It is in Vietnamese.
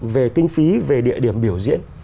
về kinh phí về địa điểm biểu diễn